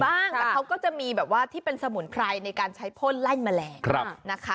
แต่เขาก็จะมีแบบว่าที่เป็นสมุนไพรในการใช้พ่นไล่แมลงนะคะ